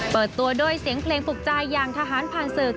เปิดตัวด้วยเสียงเพลงฝึกใจอย่างทหารผ่านศึก